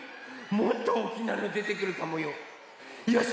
もっとおおきなのでてくるかもよ？よし！